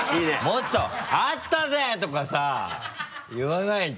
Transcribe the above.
もっと「あったぜ！」とかさ言わないと。